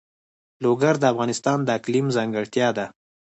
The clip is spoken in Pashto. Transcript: لوگر د افغانستان د اقلیم ځانګړتیا ده.